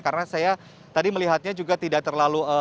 karena saya tadi melihatnya juga tidak terlalu